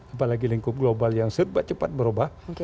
apalagi lingkung global yang cepat cepat berubah